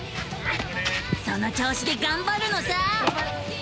その調子でがんばるのさ！